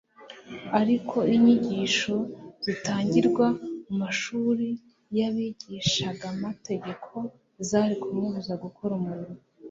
Ariko inyigisho zitangirwa mu mashuri y'abigishamategeko zari kumubuza gukora umurimo